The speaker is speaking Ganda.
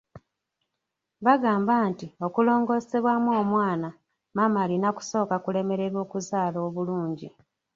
Bagamba nti okulongoosebwamu omwana, maama alina kusooka kulemererwa okuzaala bulungi.